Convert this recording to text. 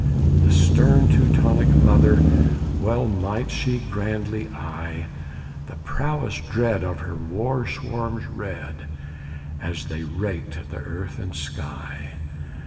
The stern Teutonic mother Well might she grandly eye The prowess dread of her war swarms red As they racked the earth and sky.